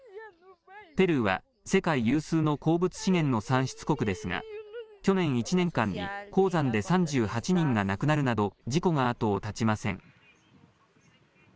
ペルーは世界有数の鉱物資源の産出国ですが去年１年間に鉱山で３８人が亡くなるなど事故が後を絶ちません。